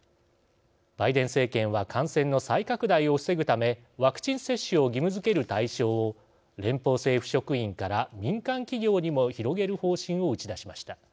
バイデン政権は感染の再拡大を防ぐためワクチン接種を義務づける対象を連邦政府職員から民間企業にも広げる方針を打ち出しました。